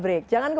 baik siapkan ya